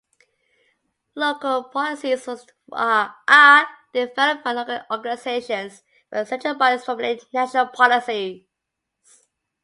Local policies are developed by local organizations, while central bodies formulate national policies.